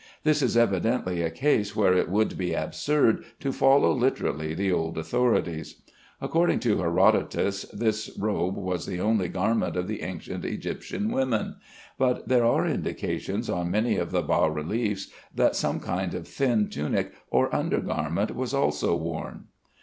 This is evidently a case where it would be absurd to follow literally the old authorities. According to Herodotus, this robe was the only garment of the ancient Egyptian women, but there are indications on many of the bas reliefs that some kind of thin tunic or under garment was also worn.